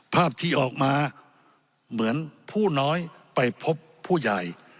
ภาพที่ออกมาเหมือนผู้น้อยไปพบผู้ใหญ่